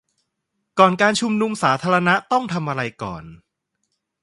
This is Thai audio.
ก่อนการชุมนุมสาธารณะต้องทำอะไรก่อน